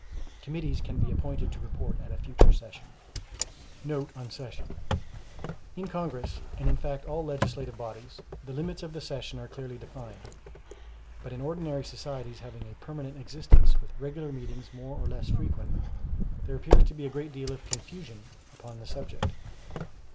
] Committees can be appointed to report at a future session. Note On Session—In Congress, and in fact all legislative bodies, the limits of the sessions are clearly defined; but in ordinary societies having a permanent existence, with regular meetings more or less frequent, there appears to be a great deal of confusion upon the subject.